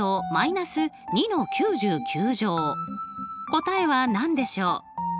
答えは何でしょう？